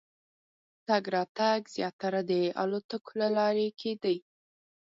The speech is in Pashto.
تګ راتګ زیاتره د الوتکو له لارې کېدی.